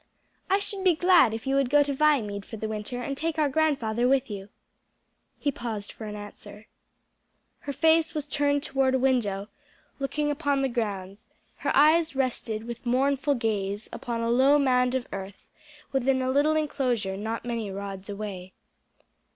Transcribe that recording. "I should be glad if you would go to Viamede for the winter and take our grandfather with you." He paused for an answer. Her face was turned toward a window looking out upon the grounds; her eyes rested with mournful gaze upon a low mound of earth within a little enclosure not many rods away.